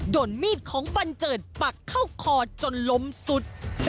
โดนมีดของบันเจิดปักเข้าคอจนล้มสุด